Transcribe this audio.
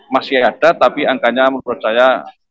masih ada tapi angkanya menurut saya